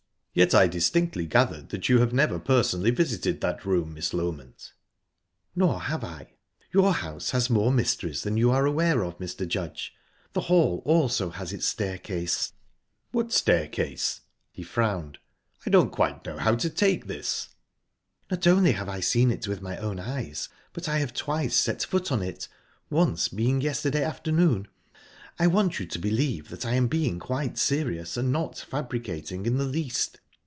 "Yet I distinctly gathered that you have never personally visited that room, Miss Loment?" "Nor have I. Your house has more mysteries than you are aware of, Mr. Judge. The hall also has its staircase." "What staircase?" He frowned. "I don't quite know how to take this." "Not only have I seen it with my own eyes, but I have twice set foot on it once being yesterday afternoon. I want you to believe that I am being quite serious, and not fabricating in the least."